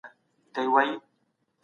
د کابل کباب په ټوله نړۍ کي نوم لري.